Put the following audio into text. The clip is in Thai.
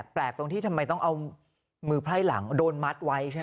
แปลกตรงที่ทำไมต้องเอามือไพร่หลังโดนมัดไว้ใช่ไหม